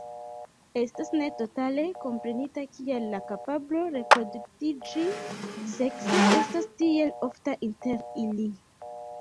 Estas ne totale komprenita kial la kapablo reproduktiĝi sekse estas tiel ofta inter ili.